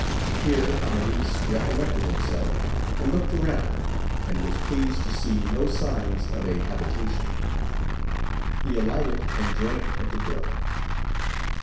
Here Amadis recollected himsdf and looked round, and was pleased to see no signs of a habitation : he alighted and drank of the Isook.